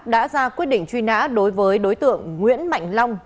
đã ra quyết định truy nã đối với đối tượng nguyễn mạnh long